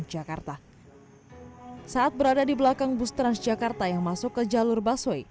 kecelakaan terjadi saat berada di belakang bus transjakarta yang masuk ke jalur baswe